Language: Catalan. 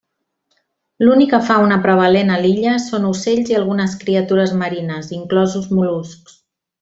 L'única fauna prevalent a l'illa són ocells i algunes criatures marines, inclosos mol·luscs.